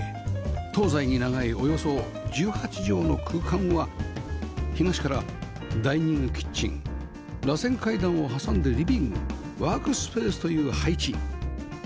東西に長いおよそ１８畳の空間は東からダイニングキッチン螺旋階段を挟んでリビングワークスペースという配置